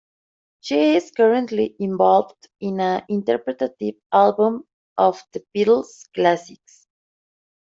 She is currently involved in an interpretative album of the Beatles' classics.